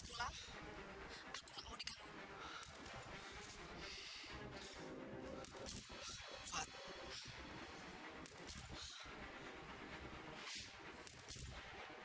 bapak gak setuju